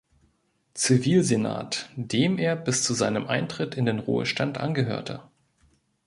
Zivilsenat, dem er bis zu seinem Eintritt in den Ruhestand angehörte.